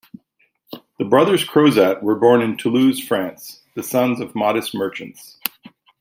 The brothers Crozat were born in Toulouse, France, the sons of modest merchants.